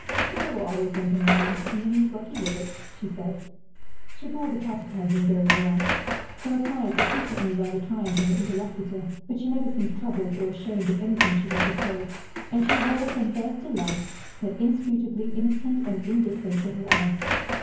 "People will always lend him money, and then he is lucky with it," she said. She bore the catechising very well. Her replies were frequently rather trying to her interlocutor, but she never seemed troubled, or ashamed of any thing she had to say; and she wore, from first to last, that inscrutably innocent and indifferent little air.